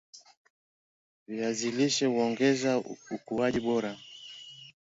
viazi lishe huongeza ukuaji bora